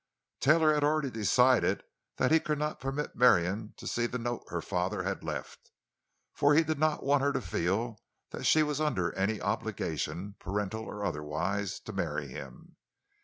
Taylor had already decided that he could not permit Marion to see the note her father had left, for he did not want her to feel that she was under any obligation—parental or otherwise—to marry him.